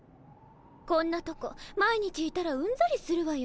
こんなとこ毎日いたらうんざりするわよ。